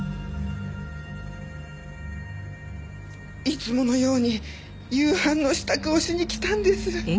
いつものように夕飯の支度をしに来たんです。